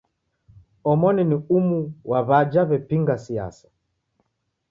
Omoni ni umu wa w'aja w'epinga siasa.